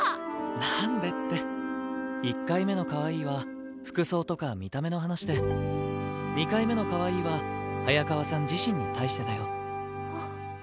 なんでって１回目のかわいいは服装とか見た目の話で２回目のかわいいは早川さん自身に対してだよ。